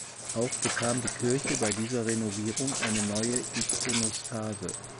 Auch bekam die Kirche bei dieser Renovierung eine neue Ikonostase.